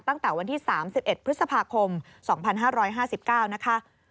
ตั้งแต่วันที่๓๑พฤษภาคม๒๕๕๙นะคะ